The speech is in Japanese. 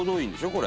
これ。